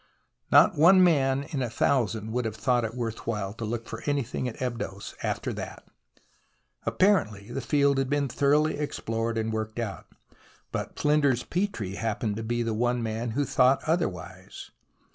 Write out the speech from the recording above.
Not one man in a thousand would have thought it worth while to look for anything at Abydos after that. Apparently the field had been thoroughly explored and worked out. But Flinders Petrie THE ROMANCE OF EXCAVATION 29 happened to be the one man who thought otherwise.